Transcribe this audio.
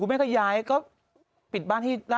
ไม่ได้หรอ